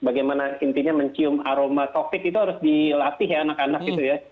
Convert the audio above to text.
bagaimana intinya mencium aroma covid itu harus dilatih ya anak anak gitu ya